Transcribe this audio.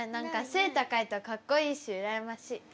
背高いとかっこいいし羨ましい。